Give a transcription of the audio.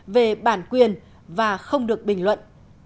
về bản quyền và không được bình luận